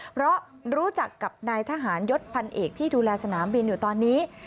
เพราะรู้จักกับนายทหารยศพันเอกที่ดูแลสนามบินอยู่ตอนนี้